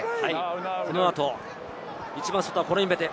この後、一番端はコロインベテ。